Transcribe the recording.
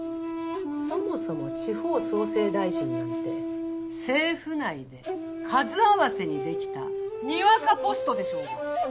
そもそも地方創生大臣なんて政府内で数合わせにできたにわかポストでしょうが。